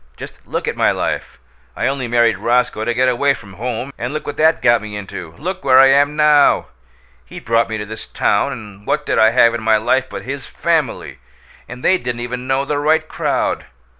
Just look at my life! I only married Roscoe to get away from home, and look what that got me into! look where I am now! He brought me to this town, and what did I have in my life but his FAMILY? And they didn't even know the right crowd!